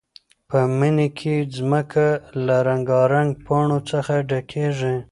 په مني کې ځمکه له رنګارنګ پاڼو څخه ډکېږي.